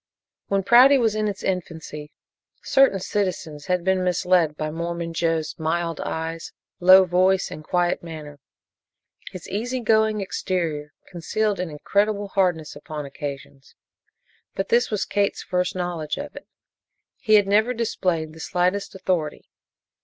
When Prouty was in its infancy, certain citizens had been misled by Mormon Joe's mild eyes, low voice and quiet manner. His easy going exterior concealed an incredible hardness upon occasions, but this was Kate's first knowledge of it. He never had displayed the slightest authority.